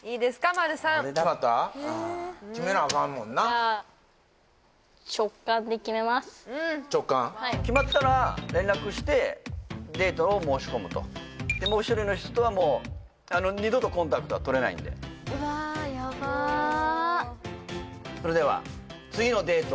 まるさん決めなアカンもんな決まったら連絡してデートを申し込むとでもう一人の人とはもう二度とコンタクトは取れないんでそれでは次のデート